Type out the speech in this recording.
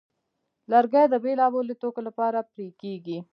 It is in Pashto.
لرګی د بېلابېلو توکو لپاره پرې کېږي.